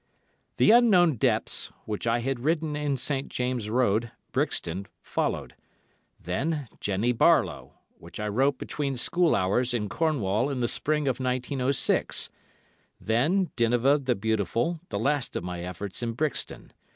"The Unknown Depths," which I had written in St. James' Road, Brixton, followed; then "Jennie Barlowe," which I wrote between school hours in Cornwall in the Spring of 1906; then "Dinevah the Beautiful," the last of my efforts in Brixton.